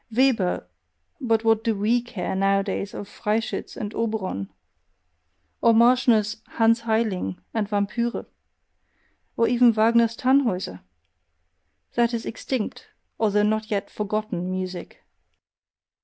Weber but what do WE care nowadays for "Freischutz" and "Oberon"! Or Marschner's "Hans Heiling" and "Vampyre"! Or even Wagner's "Tannhauser"! That is extinct, although not yet forgotten music.